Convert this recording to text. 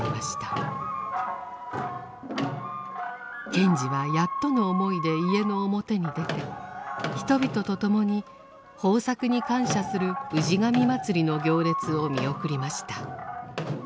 賢治はやっとの思いで家の表に出て人々とともに豊作に感謝する氏神祭りの行列を見送りました。